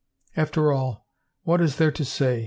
After all, what is there to say